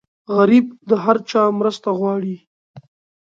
غریب د هر چا مرسته غواړي